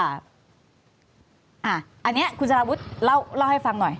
อันนี้คุณสารวุฒิเล่าให้ฟังหน่อย